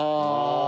あ！